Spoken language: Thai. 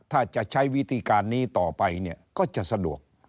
ถ้าจะใช้วิธีการนี้ต่อไปเนี่ยก็จะสะดวก